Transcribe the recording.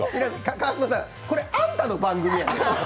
川島さん、これあんたの番組やで。